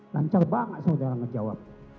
lancar banget saudara ngejawab